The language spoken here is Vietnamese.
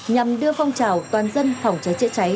nhằm đưa phong trào toàn dân phòng cháy chữa cháy